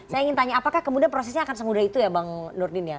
saya ingin tanya apakah kemudian prosesnya akan semudah itu ya bang nurdin ya